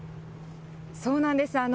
そうなんです。